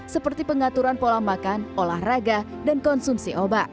seperti pengaturan pola makan olahraga dan konsumsi obat